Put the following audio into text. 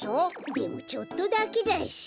でもちょっとだけだし。